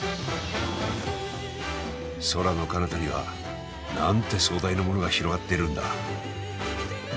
空のかなたにはなんて壮大なものが広がっているんだ。